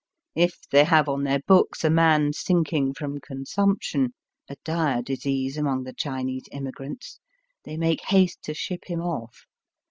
If they have on their books a man sinking from consumption — a dire disease among the Chinese immigrants — they make haste to ship him off.